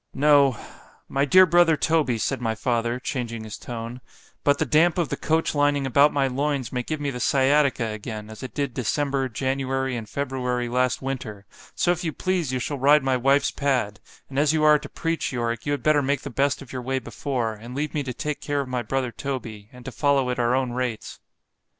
——No——my dear brother Toby, said my father, changing his tone——but the damp of the coach lining about my loins, may give me the sciatica again, as it did December, January, and February last winter—so if you please you shall ride my wife's pad——and as you are to preach, Yorick, you had better make the best of your way before——and leave me to take care of my brother Toby, and to follow at our own rates.